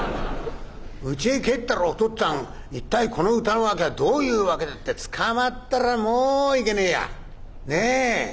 うちへ帰ったら『お父っつぁん。一体この歌の訳はどういう訳で』って捕まったらもういけねえや。ねぇ。